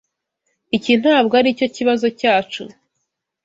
Iki ntabwo aricyo kibazo cyacu.